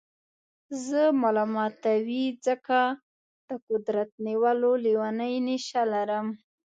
زه ملامتوئ ځکه د قدرت نیولو لېونۍ نېشه لرم.